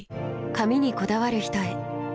髪にこだわる人へ。